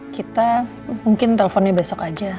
kita mungkin teleponnya besok aja